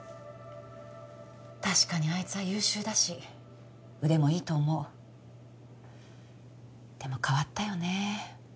確かにあいつは優秀だし腕もいいと思うでも変わったよね